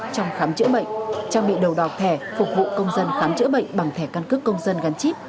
trong khám chữa bệnh trang bị đầu độc thẻ phục vụ công dân khám chữa bệnh bằng thẻ căn cước công dân gắn chip